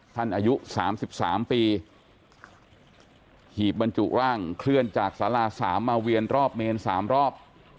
อายุ๓๓ปีหีบบรรจุร่างเคลื่อนจากสารา๓มาเวียนรอบเมน๓รอบ